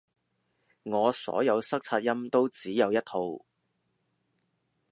我所有塞擦音都只有一套